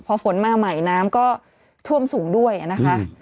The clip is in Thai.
พอฝนมาใหม่น้ำก็ท่วมสูงด้วยนะคะ